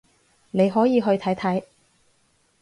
你可以去睇睇